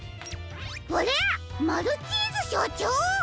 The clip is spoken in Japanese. あれ⁉マルチーズしょちょう！